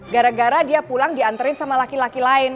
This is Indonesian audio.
gara gara dia pulang diantarin sama laki laki lain